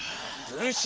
分身！？